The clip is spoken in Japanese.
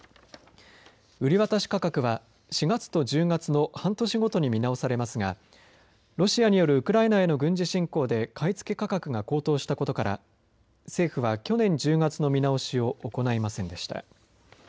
売り渡し価格は４月と１０月の半年ごとに見直されますがロシアによるウクライナへの軍事侵攻で買い付け価格が高騰したことから政府は去年１０月の見直しを行いませんでした。